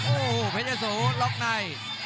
โอ้พระเจ้าโสล็อกใน